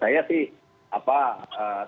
tantangan terberat itu memang bagaimana kemudian